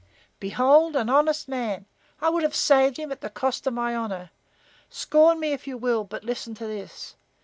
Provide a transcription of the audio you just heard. "Behold an honest man. I would have saved him at the cost of my honor. Scorn me if you will, but listen to this.